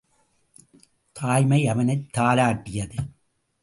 தாய்மை அவனைத் தாலாட்டியது.